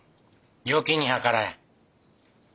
よきにはからえ。